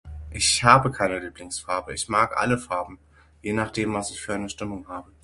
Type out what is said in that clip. Ich habe keine Lieblingsfarbe ich mag alle Farben, je nachdem was ich für eine Stimmung hab.